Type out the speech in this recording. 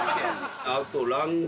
あと。